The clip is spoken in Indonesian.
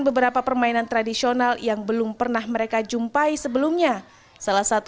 beberapa permainan tradisional yang belum pernah mereka jumpai sebelumnya salah satu